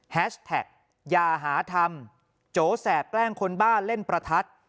แฮชแท็กอย่าหาทำโจแสบแกล้งคนบ้าเล่นประทัด